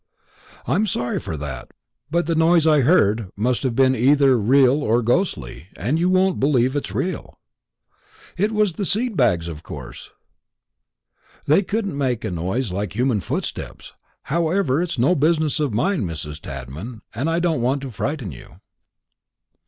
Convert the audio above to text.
"I'm sorry for that; but the noise I heard must have been either real or ghostly, and you won't believe it's real." "It was the seed bags, of course." "They couldn't make a noise like human footsteps. However, it's no business of mine, Mrs. Tadman, and I don't want to frighten you."